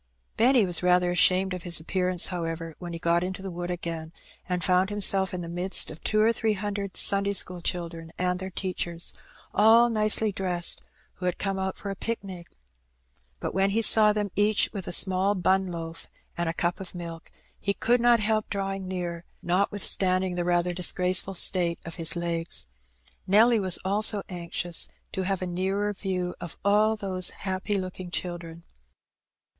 Benny was rather ashamed of his appearance, however, when he got into the wood again, and found himself in the midst of two or three hundred Sunday school children and their teachers, all nicely dressed, who had come out for a picnic. But when he saw them each with a small bun loaf and a cup of milk, he could not help drawing near, notwith standing the rather disgraceful state of his legs. Nelly was also anxious to have a nearer view of all those happy looking children.